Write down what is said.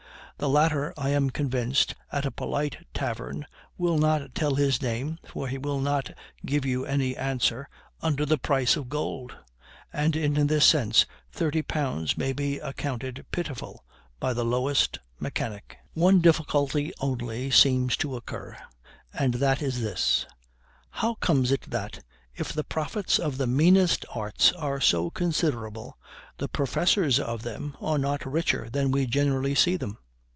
The latter, I am convinced, at a polite tavern, will not tell his name (for he will not give you any answer) under the price of gold. And in this sense thirty pound may be accounted pitiful by the lowest mechanic. One difficulty only seems to occur, and that is this: how comes it that, if the profits of the meanest arts are so considerable, the professors of them are not richer than we generally see them?